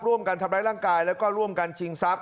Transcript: ร่วมกันทำร้ายร่างกายแล้วก็ร่วมกันชิงทรัพย